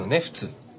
普通。